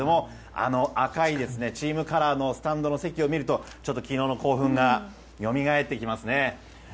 あの赤いチームカラーのスタンドの席を見ると昨日の興奮がよみがえってきますね。